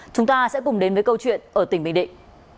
chúng ta sẽ cùng đến với câu chuyện ở tỉnh bình định